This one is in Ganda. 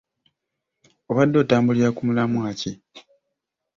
Obadde otambulira ku mulamwa ki?